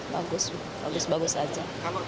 bagus bagus bagus saja